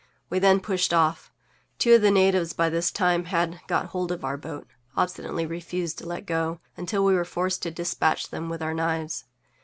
We then pushed off. Two of the natives by this time had got hold of our boat, obstinately refusing to let go, until we were forced to despatch them with our knives.